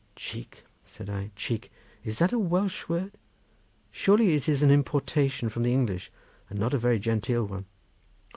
"Cheek," said I, "cheek! Is that a Welsh word? Surely it is an importation from the English, and not a very genteel one."